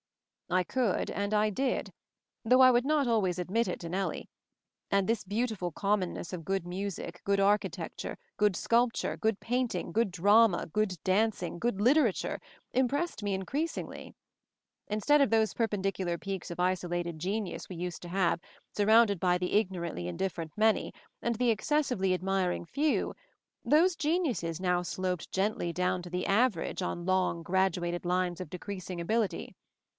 I could and I did; though I would not always admit it to Nellie; and this beautiful commonness of good music, good architec ture, good sculpture, good painting, gpod drama, good dancing, good literature, Im pressed me increasingly. Instead of those perpendicular peaks of isolated genius we used to have, surrounded by the ignorantly indifferent many, and the excessively ad miring few, those geniuses now sloped gen tly down to the average on long graduated lines of decreasing ability.